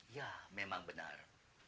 ya memang benar